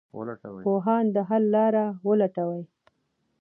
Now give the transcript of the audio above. پوهان د حل لاره ولټوي.